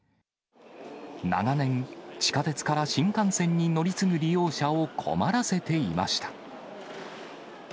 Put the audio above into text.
長年、地下鉄から新幹線に乗り継ぐ利用者を困らせていました。